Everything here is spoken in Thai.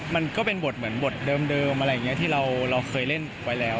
มันก็เป็นบทเหมือนบทเดิมอะไรอย่างนี้ที่เราเคยเล่นไว้แล้ว